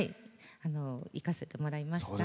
行かせてもらいました。